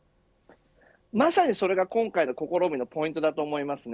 まさにそれが、今回の試みのポイントだと思います。